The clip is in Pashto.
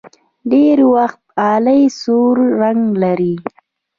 ډېری وخت غالۍ سور رنګ لري.